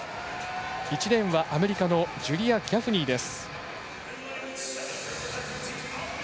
１レーンはアメリカのジュリア・ギャフニーです。